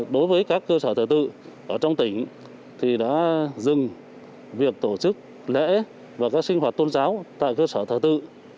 đối với các cơ sở thờ tự ở trong tỉnh thì đã dừng việc tổ chức lễ và các sinh hoạt tôn giáo tại cơ sở thờ tự